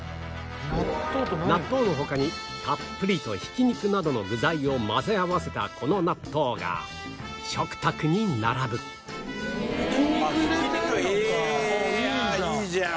納豆の他にたっぷりとひき肉などの具材を混ぜ合わせたこの納豆が食卓に並ぶいいじゃん！